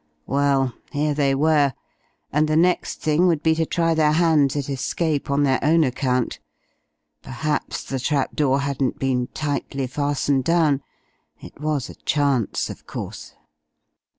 Well, here they were, and the next thing would be to try their hands at escape on their own account. Perhaps the trap door hadn't been tightly fastened down. It was a chance, of course.